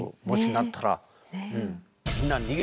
もしなったら。